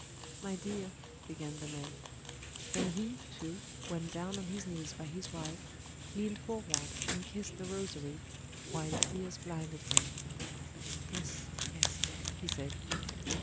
"My dear...." began the man. Then he, too, went down on his knees by his wife, leaned forward and kissed the rosary, while tears blinded him. "Yes, yes," he said.